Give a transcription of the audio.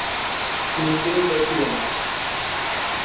মোক্ষদা তার কী জানে।